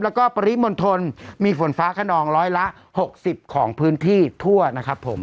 แล้วก็ปริมณฑลมีฝนฟ้าขนองร้อยละ๖๐ของพื้นที่ทั่วนะครับผม